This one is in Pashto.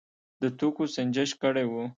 د توکو سنجش کړی و.